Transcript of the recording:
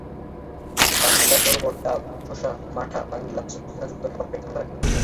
টাটকা শরবত, ডাব, শসা, মাঠা, বাঙ্গি, লাচ্ছি, পুদিনাযুক্ত খাবার পেট ঠান্ডা রাখবে।